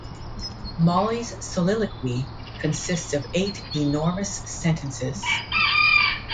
Molly's soliloquy consists of eight enormous sentences.